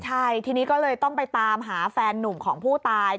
ใช่ทีนี้ก็เลยต้องไปตามหาแฟนนุ่มของผู้ตาย